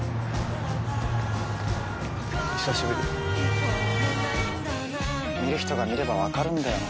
久しぶり見る人が見ればわかるんだよな